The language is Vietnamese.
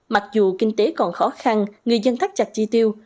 mặc dù kinh tế còn khó khăn người dân thắt chặt chi tiêu